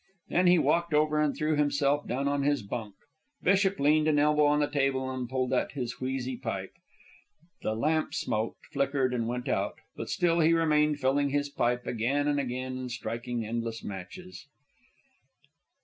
Then he walked over and threw himself down on his bunk. Bishop leaned an elbow on the table and pulled at his wheezy pipe. The lamp smoked, flickered, and went out; but still he remained, filling his pipe again and again and striking endless matches.